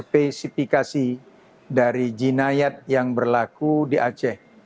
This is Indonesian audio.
spesifikasi dari jinayat yang berlaku di aceh